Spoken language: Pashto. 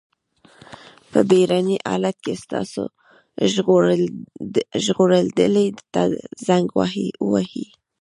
په بېړني حالت کې تاسو ژغورډلې ته زنګ ووهئ.